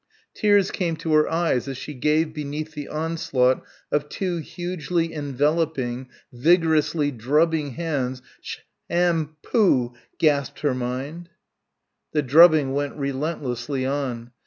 Tears came to her eyes as she gave beneath the onslaught of two hugely enveloping, vigorously drubbing hands "sh ham poo" gasped her mind. The drubbing went relentlessly on.